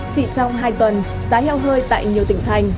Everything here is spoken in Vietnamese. chỉ trong hai tuần giá heo hơi tại nhiều tỉnh thành